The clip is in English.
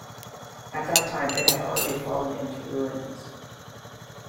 At that time it had already fallen into ruins.